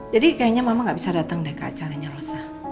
jadi kayaknya mama gak bisa dateng deh ke acaranya rosa